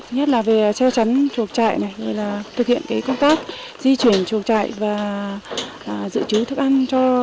nhất là về treo chắn chuộc trại thực hiện công tác di chuyển chuộc trại và dự trú thức ăn